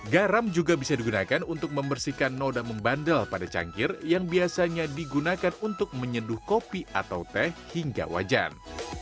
garam juga bisa digunakan untuk membersihkan noda membandel pada cangkir yang biasanya digunakan untuk menyeduh kopi atau teh hingga wajan